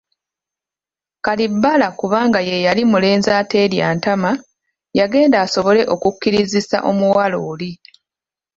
Kalibbala kubanga ye yali mulenzi ateerya ntama, yagenda asobole okukkirizisa omuwala oli.